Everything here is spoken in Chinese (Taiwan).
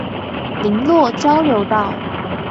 麟洛交流道